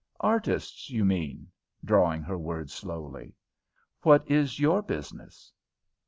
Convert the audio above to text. "Artists, you mean?" drawing her words slowly. "What is your business?"